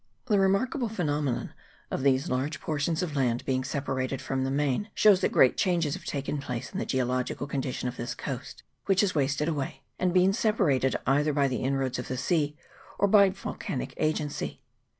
The remarkable phenomenon of these large portions of land being separated from the main shows that great changes have taken place in the geological condition of this coast, which has wasted away, and been separated either by the inroads of the sea or by volcanic agency.